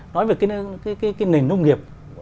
nói về cái nền nông nghiệp